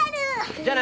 じゃあな。